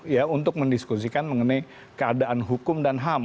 ya untuk mendiskusikan mengenai keadaan hukum dan ham